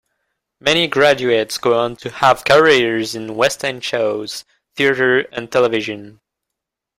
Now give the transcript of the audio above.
Many graduates go on to have careers in West End shows, theatre and television.